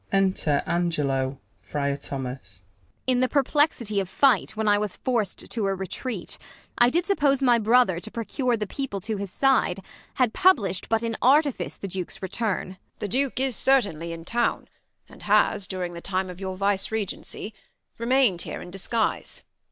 Enter Angelo, Friar Thojias. Ang. In the perplexity of figlit, when I Was forc'd to a retreat, I did suppose My brother, to procure the peoj^le to His side, had publish'd but in artifice The Duke's return. Fri. Tho. The Duke is certainly in town, and has, During the time of your vicegerency, Remain'd here in disguise.